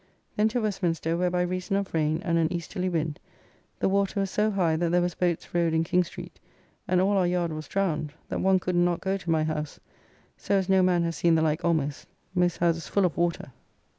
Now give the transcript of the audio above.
Then to Westminster, where by reason of rain and an easterly wind, the water was so high that there was boats rowed in King Street and all our yard was drowned, that one could not go to my house, so as no man has seen the like almost, most houses full of water.